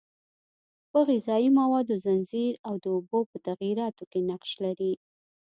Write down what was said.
په غذایي موادو ځنځیر او د اوبو په تغییراتو کې نقش لري.